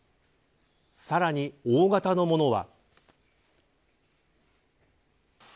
さらに大型のものは。